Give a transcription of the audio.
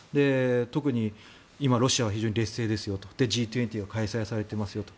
特に今、ロシアは非常に劣勢ですよとＧ２０が開催されていますよと。